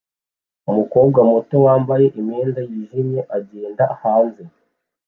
Umukobwa muto wambaye imyenda yijimye agenda hanze